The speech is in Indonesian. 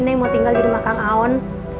neng mau tinggal di rumah kang aon